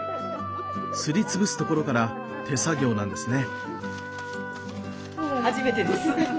すりつぶすところから手作業なんですね。